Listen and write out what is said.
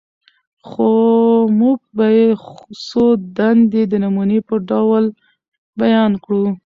خو موږ به ئې څو دندي د نموني په ډول بيان کړو: